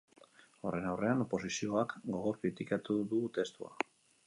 Horren aurrean, oposizioak gogor kritikatu du testua.